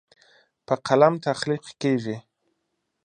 په قلم تخلیق کیږي.